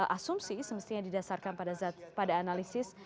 asumsi semestinya didasarkan pada analisis